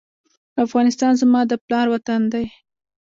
افغانستان زما د پلار وطن دی؟